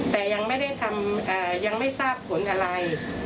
แต่ยังไม่ได้ทำยังไม่ทราบผลอะไร